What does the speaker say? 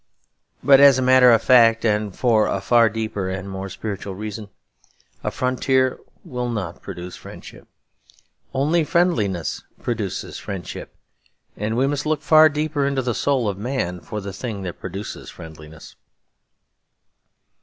But, as a matter of fact, and for a far deeper and more spiritual reason, a frontier will not produce friendship. Only friendliness produces friendship. And we must look far deeper into the soul of man for the thing that produces friendliness.